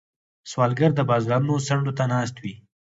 سوالګر د بازارونو څنډو ته ناست وي